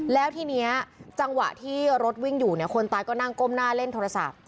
แล้วทีนี้จังหวะที่รถวิ่งอยู่เนี่ยคนตายก็นั่งก้มหน้าเล่นโทรศัพท์